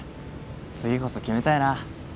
次こそ決めたいな。